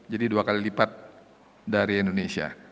jadi dua kali lipat dari indonesia